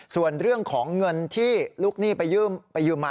ส่วนเรื่องของเงินที่ลูกหนี้ไปยืมมา